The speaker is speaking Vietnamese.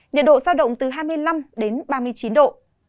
nhiệt độ giao động từ hai mươi năm đến ba mươi chín độ